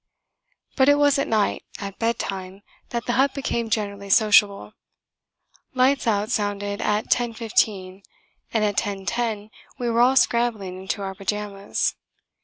But it was at night, at bedtime, that the hut became generally sociable. Lights Out sounded at 10.15; and at 10.10 we were all scrambling into our pyjamas.